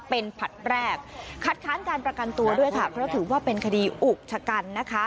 เป็นผลัดแรกคัดค้านการประกันตัวด้วยค่ะเพราะถือว่าเป็นคดีอุกชะกันนะคะ